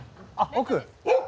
奥。